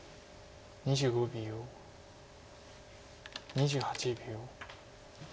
２８秒。